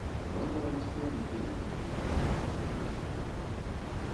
Me na nsuo nké üré manjem mvü’ ngap.